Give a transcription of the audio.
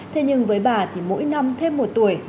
thế nhưng với bà thì mỗi năm thêm một tuổi